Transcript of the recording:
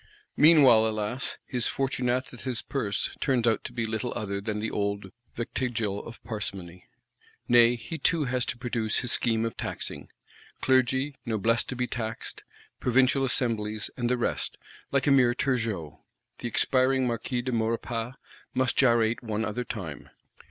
Meanwhile, alas, his Fotunatus' Purse turns out to be little other than the old "vectigal of Parsimony." Nay, he too has to produce his scheme of taxing: Clergy, Noblesse to be taxed; Provincial Assemblies, and the rest,—like a mere Turgot! The expiring M. de Maurepas must gyrate one other time.